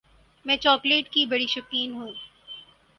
میں چاکلیٹ کی بڑی شوقین ہوں۔